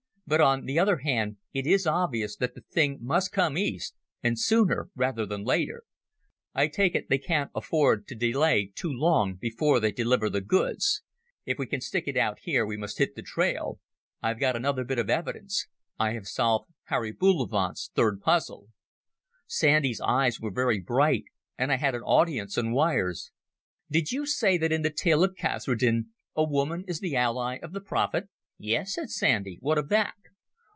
"But on the other hand it is obvious that the thing must come east, and sooner rather than later. I take it they can't afford to delay too long before they deliver the goods. If we can stick it out here we must hit the trail ... I've got another bit of evidence. I have solved Harry Bullivant's third puzzle." Sandy's eyes were very bright and I had an audience on wires. "Did you say that in the tale of Kasredin a woman is the ally of the prophet?" "Yes," said Sandy; "what of that?"